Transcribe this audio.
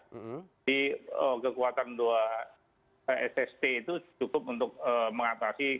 jadi kekuatan dua sst itu cukup untuk mengatasi ya